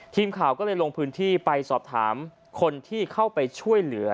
ทีมข่าวก็เลยลงพื้นที่ไปสอบถามคนที่เข้าไปช่วยเหลือ